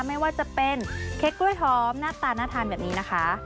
ไม่ว่าจะเป็นเค้กกล้วยหอมหน้าตาน่าทานแบบนี้นะคะ